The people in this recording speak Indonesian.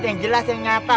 yang jelas yang nyata